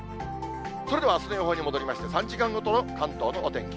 それではあすの予報に戻りまして、３時間ごとの関東のお天気。